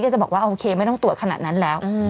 จะบอกว่าโอเคไม่ต้องตรวจขนาดนั้นแล้ว